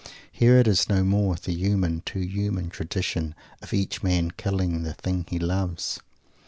Here it is no more the human, too human, tradition of each man "killing" the "thing he loves."